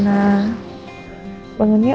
nah bangun yuk